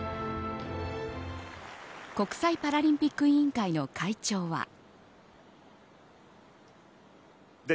国際パラリンピック委員会の会長は。